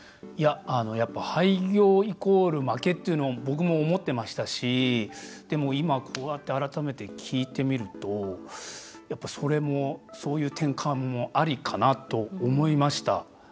やっぱ廃業イコール負けっていうのは僕も思ってましたしでも、今こうやって改めて聞いてみるとそれも、そういう転換もありかなと思いました。